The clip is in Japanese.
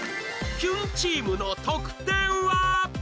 キュンチームの得点は？